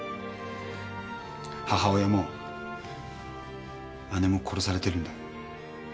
母親も姉も殺されてるんだ。